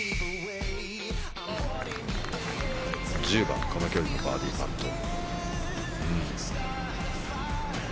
１０番、この距離のバーディーパット。